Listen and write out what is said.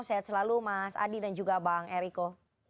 sehat selalu mas adi dan juga bang eriko